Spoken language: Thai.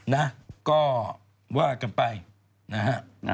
นะก็ว่ากันไปนะฮะ